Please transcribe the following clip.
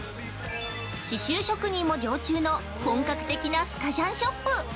刺繍職人も常駐の本格的なスカジャンショップ。